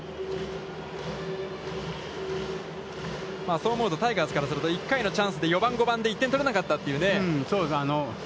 そう思うと、タイガースからすると、１回のチャンスで４番５番で１点取れなかったという。